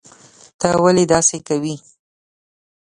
ته ولي داسي کوي